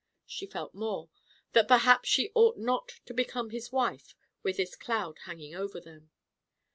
She felt more that perhaps she ought not to become his wife with this cloud hanging over them.